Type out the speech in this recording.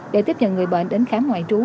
để tiếp nhận người bệnh đến khám ngoại trú